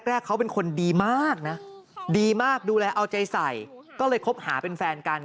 แรกเขาเป็นคนดีมากนะดีมากดูแลเอาใจใส่ก็เลยคบหาเป็นแฟนกัน